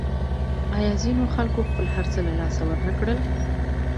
آیا ځینو خلکو خپل هرڅه له لاسه ورنکړل؟